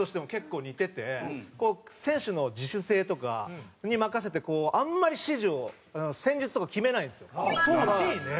選手の自主性とかに任せてあんまり指示を戦術とか決めないんですよ。らしいね！